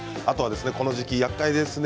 この時期やっかいですね